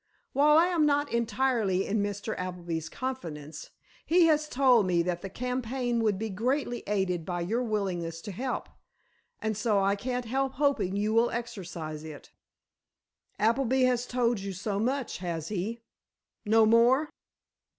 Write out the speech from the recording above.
"While I am not entirely in Mr. Appleby's confidence, he has told me that the campaign would be greatly aided by your willingness to help, and so I can't help hoping you will exercise it." "Appleby has told you so much, has he? No more?"